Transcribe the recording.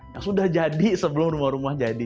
yang sudah jadi sebelum rumah rumah jadi